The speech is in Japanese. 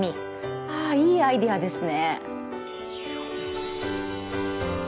あいいアイデアですね。